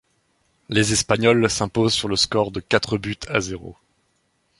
Les Espagnols s'imposent sur le score de quatre buts à zéro.